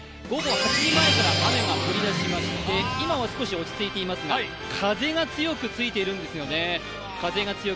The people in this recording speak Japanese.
午後１時前から雨が降り出してきまして、今は少し落ち着いていますが風が強く吹いているんですよね。